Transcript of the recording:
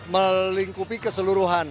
melingkupi ke seluruh hal